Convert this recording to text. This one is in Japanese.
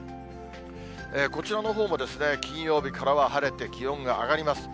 こちらのほうも、金曜日からは晴れて気温が上がります。